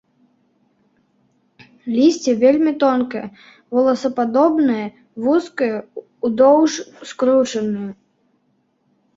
Лісце вельмі тонкае, воласападобнае, вузкае, удоўж скручанае.